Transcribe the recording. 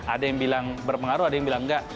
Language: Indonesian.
ada yang bilang berpengaruh ada yang bilang enggak